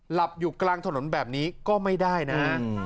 หลับอยู่กลางถนนแบบนี้ก็ไม่ได้นะ